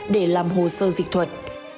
để làm hồ sơ dịch thuật